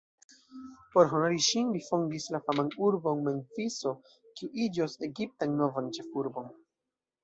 Por honori ŝin li fondis la faman urbon Memfiso, kiu iĝos Egiptan novan ĉefurbon.